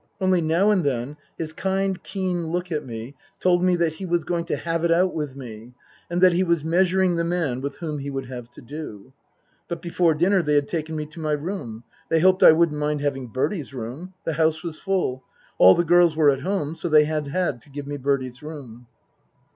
Only now and then his kind, keen look at me told me that he was going to have it out with me, and that he was measuring the man with whom he would have to do. But before dinner they had taken me to my room. They hoped I wouldn't mind having Bertie's room. The house was full ; all the girls were at home, so they had had to give me Bertie's room.